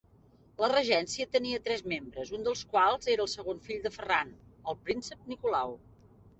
La regència tenia tres membres, un dels quals era el segon fill de Ferran, el príncep Nicolau.